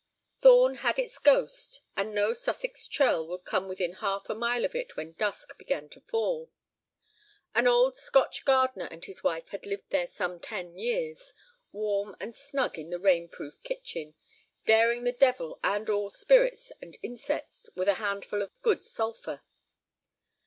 Thorn had its ghost, and no Sussex churl would come within half a mile of it when dusk began to fall. An old Scotch gardener and his wife had lived there some ten years, warm and snug in the rain proof kitchen, daring the devil and all spirits and insects with a handful of good sulphur.